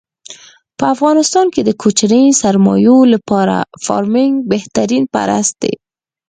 په افغانستان کې د کوچنیو سرمایو لپاره فارمنګ بهترین پرست دی.